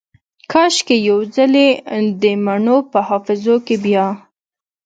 کاشکي یو ځلې دمڼو په حافظو کې بیا